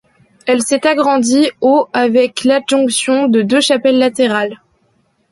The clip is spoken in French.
Elle s'est agrandie au avec l'adjonction de deux chapelles latérales.